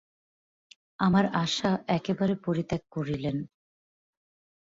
আমার আশা একেবারে পরিত্যাগ করিলেন।